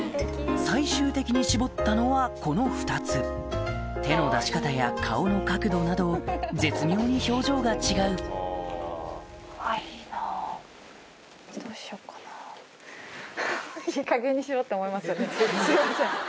最終的に絞ったのはこの２つ手の出し方や顔の角度など絶妙に表情が違うすいません。